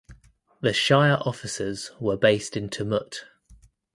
The shire offices were based in Tumut.